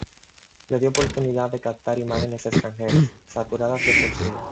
Le dio oportunidad de captar imágenes extranjeras saturadas de poesía.